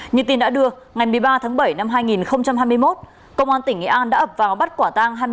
như tin đã đưa ngày một mươi ba tháng bảy năm hai nghìn hai mươi một công an tỉnh nghệ an đã ập vào bắt quả tang